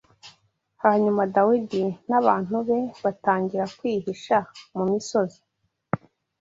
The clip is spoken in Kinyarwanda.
Hanyuma, Dawidi n’abantu be batangira kwihisha mu misozi